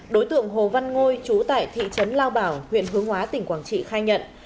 đối tượng hồ văn ngôi chú tại thị trấn lao bảo huyện hướng hóa tỉnh quảng trị khai nhận